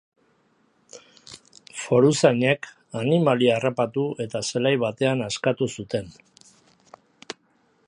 Foruzainek animalia harrapatu eta zelai batean askatu zuten.